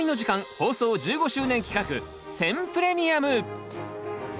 放送１５周年企画「選プレミアム」！